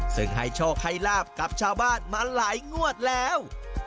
ซึ่งให้โชคให้ลาบกับชาวบ้านมาหลายงวดแล้ว